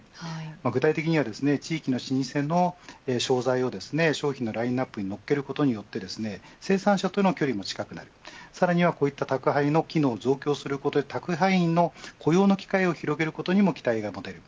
具体的には地域の老舗の商材を商品のラインアップにのせることによって生産者との距離も近くなりさらに宅配の機能を増強することで宅配員の雇用の機会を広げることにも期待が持てる。